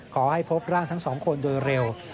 ขอให้พบร่างทั้งสองคนโดยเร็ว